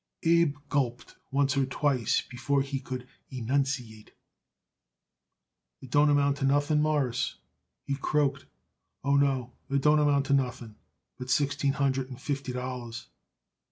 Abe gulped once or twice before he could enunciate. "It don't amount to nothing, Mawruss," he croaked. "Oh, no, it don't amount to nothing, but sixteen hundred and fifty dollars."